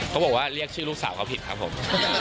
เขาบอกว่าเรียกชื่อลูกสาวเขาผิดครับผม